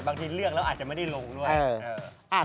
บางทีเลือกแล้วอาจจะไม่ได้ลงด้วย